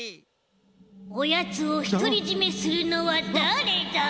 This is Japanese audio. おやつをひとりじめするのはだれだ？